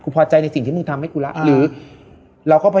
พี่แอดเล่ามา